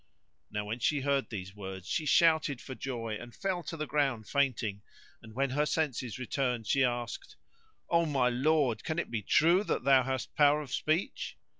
Now when she heard these words she shouted for joy, and fell to the ground fainting; and when her senses returned she asked, "O my lord, can it be true that thou hast power of speech?"